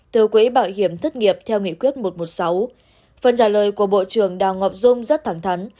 từ quỹ bảo hiểm thất nghiệp theo nghị quyết một trăm một mươi sáu phần trả lời của bộ trưởng đào ngọc dung rất thẳng thắn